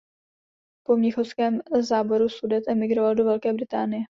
Po mnichovském záboru Sudet emigroval do Velké Británie.